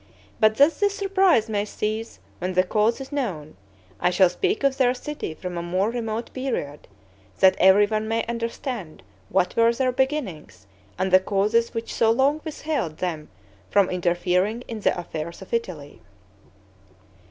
But that this surprise may cease when the cause is known, I shall speak of their city from a more remote period; that everyone may understand what were their beginnings, and the causes which so long withheld them from interfering in the affairs of Italy.